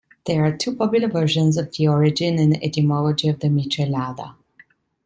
There are two popular versions of the origin and etymology of the michelada.